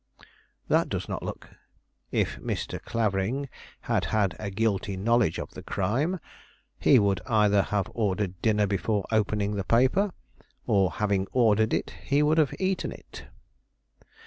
"Humph! that does not look " "If Mr. Clavering had had a guilty knowledge of the crime, he would either have ordered dinner before opening the paper, or, having ordered it, he would have eaten it."